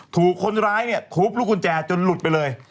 ถูกคนร้ายเนี่ยทุบลูกกุญแจจนหลุดไปเลย